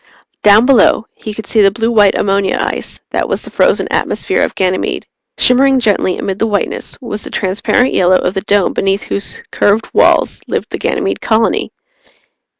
Down below, he could see the blue white ammonia ice that was the frozen atmosphere of Ganymede. Shimmering gently amid the whiteness was the transparent yellow of the Dome beneath whose curved walls lived the Ganymede Colony.